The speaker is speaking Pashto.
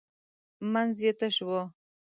منځ یې تش و .